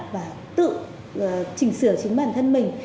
và tự chỉnh sửa chính bản thân mình